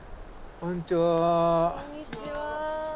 こんにちは。